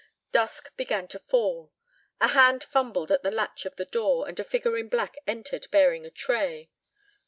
Dusk began to fall. A hand fumbled at the latch of the door, and a figure in black entered bearing a tray.